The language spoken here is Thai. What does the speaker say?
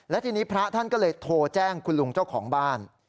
และทีนี้พระท่านก็เลยโทรแจ้งคุณลุงเจ้าของบ้าน